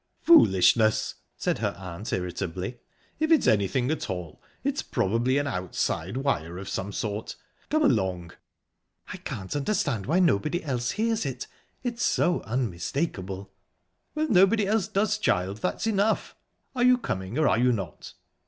"Foolishness!" said her aunt irritably. "If it's anything at all, it's probably an outside wire of some sort...Come along!" "I can't understand why nobody else hears it. It's so unmistakable." "Well, nobody else does, child that's enough. Are you coming, or are you not?"